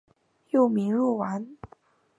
幼名若丸。